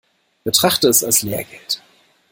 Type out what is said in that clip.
Betrachte es als Lehrgeld.